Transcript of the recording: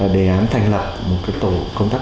đề án thành lận một tổ công tác